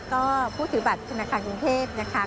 ก็ผู้ถือบัตรธนาคารกรุงเทพนะคะ